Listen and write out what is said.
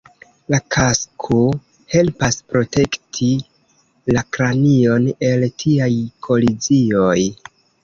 La kasko helpas protekti la kranion el tiaj kolizioj".